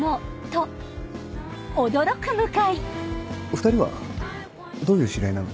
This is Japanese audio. ２人はどういう知り合いなの？